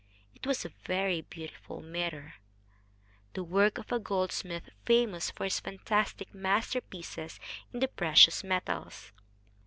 It was a very beautiful mirror, the work of a goldsmith famous for his fantastic masterpieces in the precious metals.